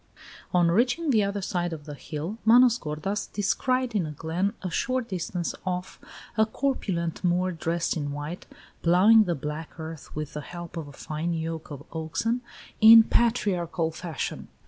XI. On reaching the other side of the hill Manos gordas descried in a glen, a short distance off, a corpulent Moor dressed in white, ploughing the black earth with the help of a fine yoke of oxen, in patriarchal fashion.